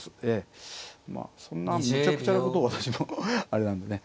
まあそんなむちゃくちゃなことを私もあれなんでね。